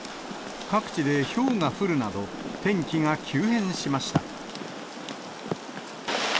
各地でひょうが降るなど、天気が急変しました。